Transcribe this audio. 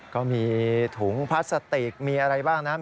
ก็มีถุงพลาสติกมีอะไรบ้างนะครับ